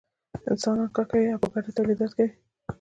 انسانان کار کوي او په ګډه تولیدات کوي.